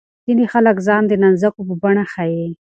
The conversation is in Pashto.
ځینې خلک ځان د نانځکو په بڼه ښيي.